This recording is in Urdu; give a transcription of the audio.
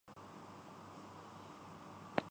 جس کا انحصار موسم پر ہے ۔